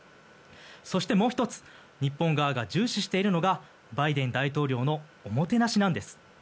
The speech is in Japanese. そして、もう１つ日本側が重視しているのがバイデン大統領のおもてなしなんです。